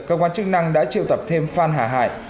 cơ quan chức năng đã triệu tập thêm phan hà hải